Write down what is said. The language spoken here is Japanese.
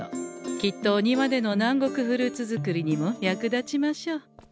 きっとお庭での南国フルーツ作りにも役立ちましょう。